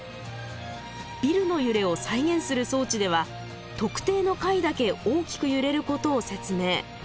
ビルの揺れを再現する装置では特定の階だけ大きく揺れることを説明。